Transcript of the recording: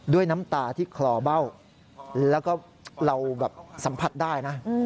ด้วยน้ำตาที่คลอเบ้าแล้วก็เราแบบสัมผัสได้นะ